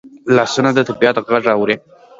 لاسونه د طبیعت غږ اوري